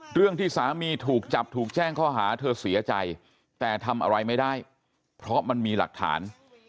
เรื่องที่สามีถูกจับถูกแจ้งข้อหาเธอเสียใจแต่ทำอะไรไม่ได้เพราะมันมีหลักฐาน